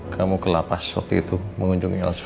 kamu kelapas waktu itu mengunjungi elsa